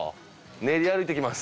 練り歩いてきます。